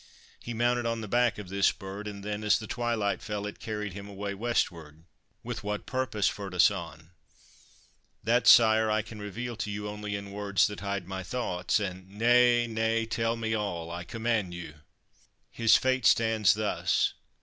He mounted on the back of this bird ; and then, as the twilight fell, it carried him away westward.' ' With what purpose, Ferdasan ?' 'That, sire, I can reveal to you only in words that hide my thoughts, and '' Nay, nay ; tell me all, I command you.' 1 His fate stands thus.